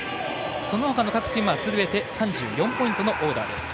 そのほかの各チームはすべて３４ポイントのオーダー。